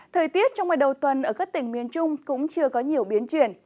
thời tiết trong ngày đầu tuần ở các tỉnh miền trung cũng chưa có nhiều biến chuyển